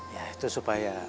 ya itu supaya